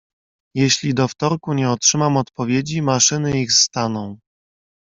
"Jeśli do wtorku nie otrzymam odpowiedzi, maszyny ich staną."